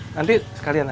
nanti sekalian aja